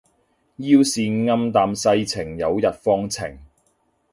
要是暗淡世情有日放晴